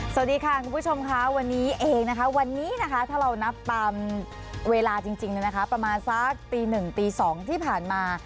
สวัสดีค่ะคุณผู้ชมค่ะวันนี้เองนะคะวันนี้นะคะถ้าเรานับตามเวลาจริงประมาณสักตีหนึ่งตี๒ที่ผ่านมา